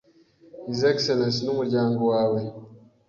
His Excellence n,umuryango wawe